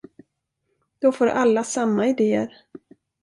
Då får alla samma idéer.